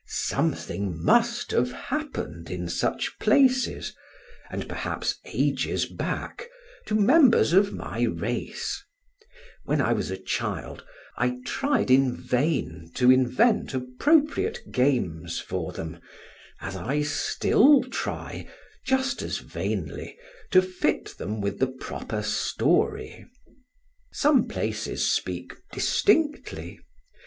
Something must have happened in such places, and perhaps ages back, to members of my race; when I was a child I tried in vain to invent appropriate games for them, as I still try, just as vainly, to fit them with the proper story. Some places speak distinctly.